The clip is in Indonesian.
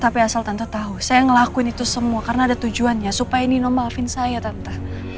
tapi asal tante tahu saya ngelakuin itu semua karena ada tujuannya supaya ini nomalin saya tante